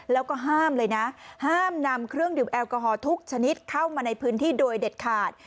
แล้วก็ห้ามเลยนะห้ามนำเครื่องดื่มแอลกอฮอล์ทุกชนิดเข้ามาในพื้นที่โดยเด็ดขาด